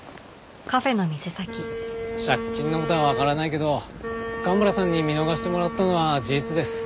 借金の事はわからないけど神原さんに見逃してもらったのは事実です。